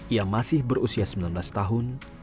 ia masih berusia sembilan belas tahun